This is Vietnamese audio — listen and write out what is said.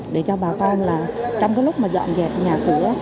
để cho bà con là trong cái lúc mà dọn dẹp nhà cửa